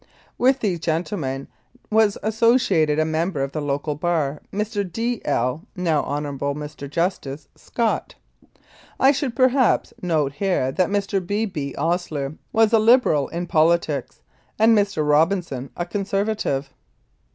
With these gentlemen was asso ciated a member of the local Bar, Mr. D. L. (now Hon. Mr. Justice) Scott. I should perhaps note here that Mr. B. B. Osier was a Liberal in politics, and Mr. Robinson a Conservative.